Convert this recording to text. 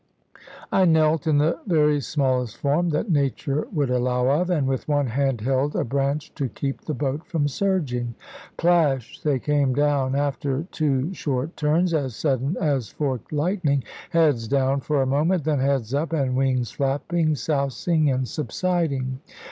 I knelt in the very smallest form that nature would allow of, and with one hand held a branch to keep the boat from surging. Plash they came down, after two short turns (as sudden as forked lightning), heads down for a moment, then heads up, and wings flapping, sousing, and subsiding.